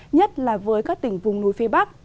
nhất là với các tỉnh vùng núi phía bắc